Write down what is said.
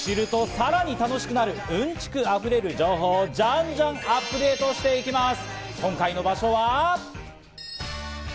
知ると、さらに楽しくなる、うんちくあふれる情報をじゃんじゃんアップデートしていきます。